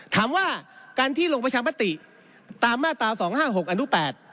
ถามว่าการที่ลงประชามติตามมาตรา๒๕๖อนุ๘